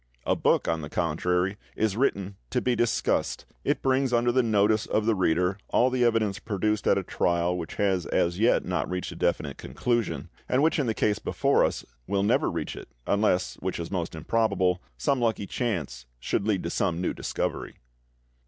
A book, on the contrary, is written to be discussed; it brings under the notice of the reader all the evidence produced at a trial which has as yet not reached a definite conclusion, and which in the case before us will never reach it, unless, which is most improbable, some lucky chance should lead to some new discovery.